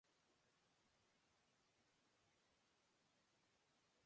Apa kau tidak bisa berbahasa Inggris?